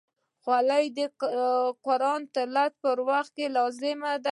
خولۍ د قرآن تلاوت پر وخت لازمي ده.